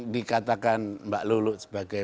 dikatakan mbak lulut sebagai